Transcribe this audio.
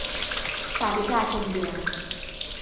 สาลิกาชมเดือน